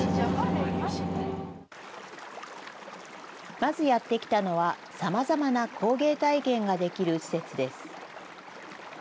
まずやって来たのは、さまざまな工芸体験ができる施設です。